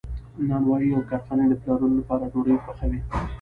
نانوایی او کارخانې د پلورلو لپاره ډوډۍ پخوي.